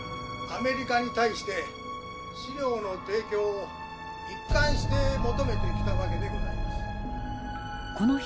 「アメリカに対して資料の提供を一貫して求めてきた訳でございます」。